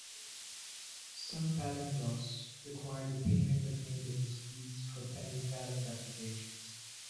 Some patent laws require the payment of maintenance fees for pending patent applications.